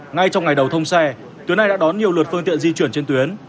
ngay trong ngày đầu thông xe tuyến này đã đón nhiều lượt phương tiện di chuyển trên tuyến